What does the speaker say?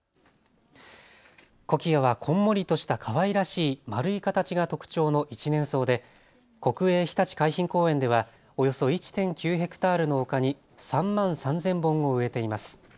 コキアはこんもりとしたかわいらしい丸い形が特徴の一年草で国営ひたち海浜公園ではおよそ１．９ヘクタールの丘に３万３０００本を植えています。